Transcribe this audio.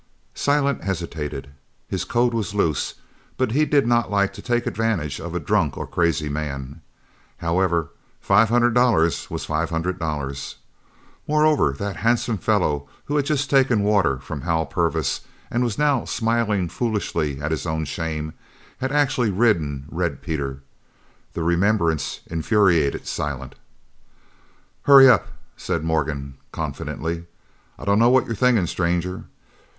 Silent hesitated. His code was loose, but he did not like to take advantage of a drunk or a crazy man. However, five hundred dollars was five hundred dollars. Moreover that handsome fellow who had just taken water from Hal Purvis and was now smiling foolishly at his own shame, had actually ridden Red Peter. The remembrance infuriated Silent. "Hurry up," said Morgan confidently. "I dunno what you're thinkin', stranger.